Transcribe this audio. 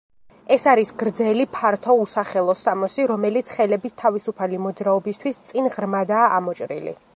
ეს არის გრძელი, ფართო, უსახელო სამოსი, რომელიც ხელების თავისუფალი მოძრაობისთვის წინ ღრმადაა ამოჭრილი.